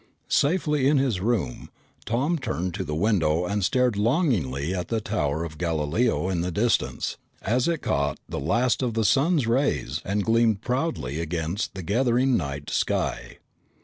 Safely in his room, Tom turned to the window and stared longingly at the Tower of Galileo in the distance, as it caught the last of the sun's rays and gleamed proudly against the gathering night sky.